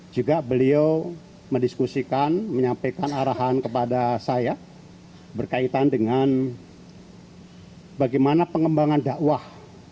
juga beliau mendiskusikan menyampaikan arahan kepada saya berkaitan dengan bagaimana pengembangan dakwah